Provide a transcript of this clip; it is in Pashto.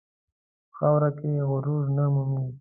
په خاوره کې غرور نه مومي.